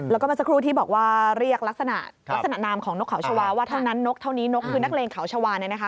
แล้วก็เมื่อสักครู่ที่บอกว่าเรียกลักษณะลักษณะนามของนกเขาชาวาว่าเท่านั้นนกเท่านี้นกคือนักเลงเขาชาวาเนี่ยนะคะ